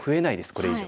これ以上。